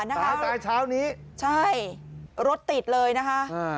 นะคะตายตายเช้านี้ใช่รถติดเลยนะคะอ่า